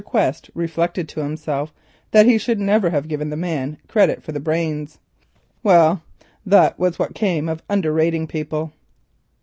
Quest reflected to himself that he should never have given the man credit for the brains. Well, that was what came of underrating people.